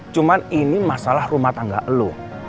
cuma ini masalah rumah tangga lo